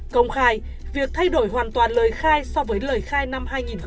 công khai việc thay đổi hoàn toàn lời khai so với lời khai năm hai nghìn một mươi